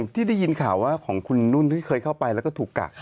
ที่ได้ยินข่าวว่าของคุณนุ่นที่เคยเข้าไปแล้วก็ถูกกัก